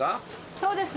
そうです。